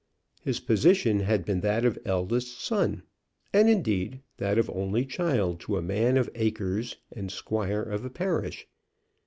His position had been that of eldest son, and indeed that of only child to a man of acres and squire of a parish.